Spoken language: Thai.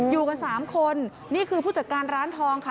อยู่กันสามคนนี่คือผู้จัดการร้านทองค่ะ